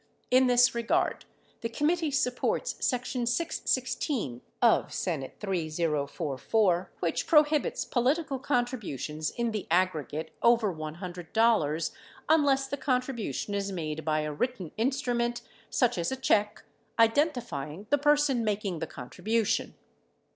In this regard, the committee supports section 616 of S. 3044 which prohibits political contributions in the aggregate over $100 unless the contribution is made by a written instrument, such as a check, identifying the person making the contribution.